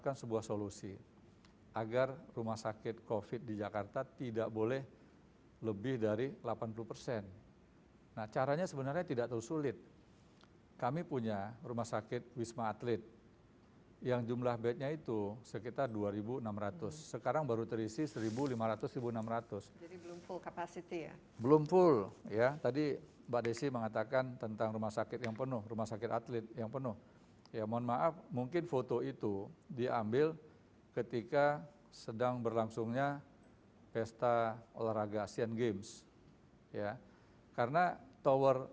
karena tiap daerah memiliki karakteristik yang berbeda maka itu tetap akan sulit